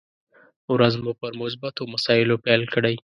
ورځ مو پر مثبتو مسايلو پيل کړئ!